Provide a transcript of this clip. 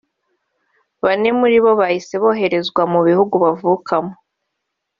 Bane muribo bahise bohererezwa mu bihugu bavukamo